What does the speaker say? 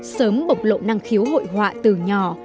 sớm bộc lộ năng khiếu hội họa từ nhỏ